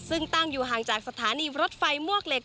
ซึ่งตั้งอยู่ห่างจากสถานีรถไฟมวกเหล็ก